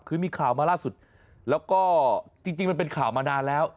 คือมีข่าวมาล่าสุดแล้วก็จริงมันเป็นข่าวมานานแล้ว